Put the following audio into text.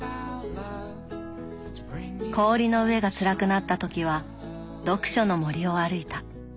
氷の上がつらくなった時は読書の森を歩いた。